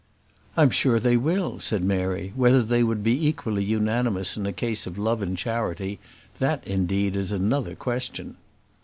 "I am sure they will," said Mary; "whether they would be equally unanimous in a case of love and charity, that, indeed, is another question."